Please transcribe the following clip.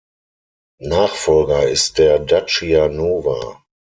Nachfolger ist der Dacia Nova.